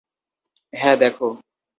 হ্যাঁ, দেখো।